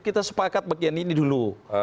kita sepakat bagian ini dulu